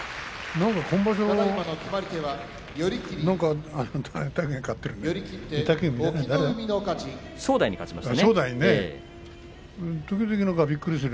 今場所、何か正代に勝ちましたね。